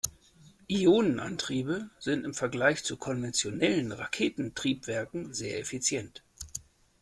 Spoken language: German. Ionenantriebe sind im Vergleich zu konventionellen Raketentriebwerken sehr effizient.